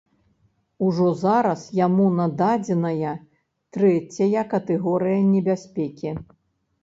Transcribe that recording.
Ужо зараз яму нададзеная трэцяя катэгорыя небяспекі.